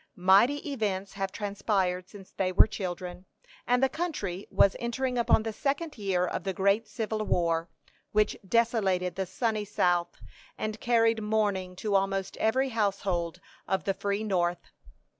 Mighty events had transpired since they were children, and the country was entering upon the second year of the great civil war, which desolated the sunny South, and carried mourning to almost every household of the free North.